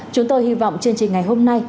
chúng tôi hy vọng chương trình ngày hôm nay